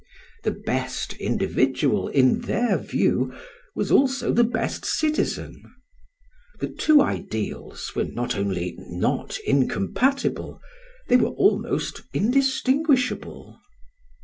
The best individual, in their view, was also the best citizen; the two ideals not only were not incompatible, they were almost indistinguishable.